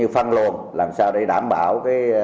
phân luồn làm sao để đảm bảo